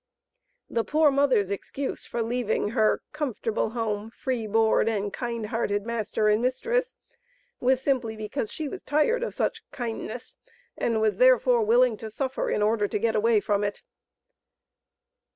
The poor mother's excuse for leaving her "comfortable home, free board, and kind hearted master and mistress," was simply because she was tired of such "kindness," and was, therefore, willing to suffer in order to get away from it.